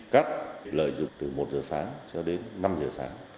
cắt lợi dụng từ một giờ sáng cho đến năm giờ sáng